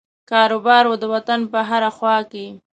کاروبار وو د وطن په هره خوا کې.